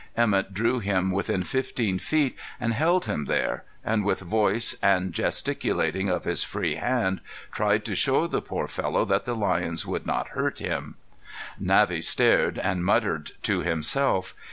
Emett drew him within fifteen feet and held him there, and with voice, and gesticulating of his free hand, tried to show the poor fellow that the lions would not hurt him. Navvy stared and muttered to himself.